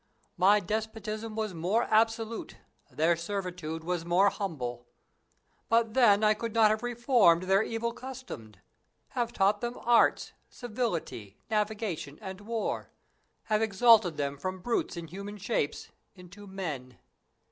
My despotism was more absolute, their servitude was more humble. But then I could not have reformed their evil customs; have taught them arts, civility, navigation, and war; have exalted them from brutes in human shapes into men.